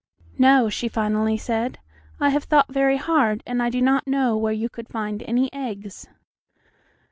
"No," she finally said, "I have thought very hard, and I do not know where you could find any eggs."